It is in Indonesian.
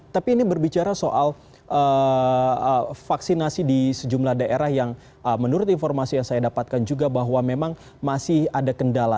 tapi ini berbicara soal vaksinasi di sejumlah daerah yang menurut informasi yang saya dapatkan juga bahwa memang masih ada kendala